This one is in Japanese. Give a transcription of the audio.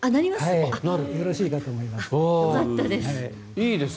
よろしいかと思います。